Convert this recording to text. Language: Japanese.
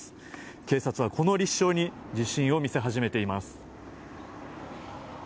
警察はこの立証に自信を見せ始めています。